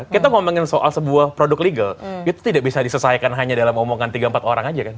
kita ngomongin soal sebuah produk legal itu tidak bisa disesuaikan hanya dalam omongan tiga empat orang aja kan